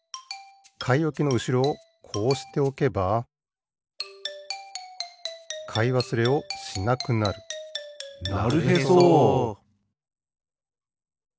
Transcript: かいおきのうしろをこうしておけばかいわすれをしなくなるなるへそ！